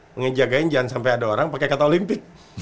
menjaga jangan sampai ada orang pakai kata olimpik